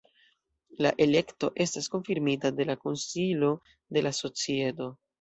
La elekto estas konfirmita de la Konsilo de la Societo.